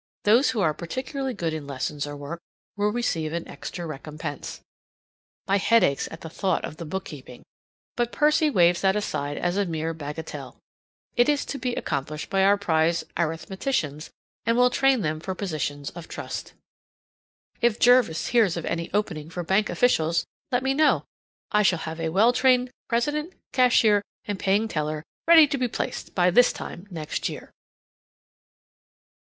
Those who are particularly good in lessons or work will receive an extra recompense. My head aches at the thought of the bookkeeping, but Percy waves that aside as a mere bagatelle. It is to be accomplished by our prize arithmeticians, and will train them for positions of trust. If Jervis hears of any opening for bank officials, let me know; I shall have a well trained president, cashier, and paying teller ready to be placed by this time next year.